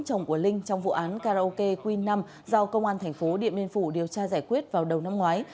chồng của linh trong vụ án karaoke queen năm do công an thành phố điện biên phủ điều tra giải quyết vào đầu năm ngoái